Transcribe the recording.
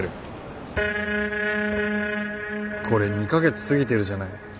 これ２か月過ぎてるじゃない。